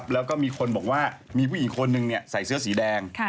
แล้วก็มีคนบอกว่ามีผู้หญิงคนหนึ่งใส่เสื้อสีแดง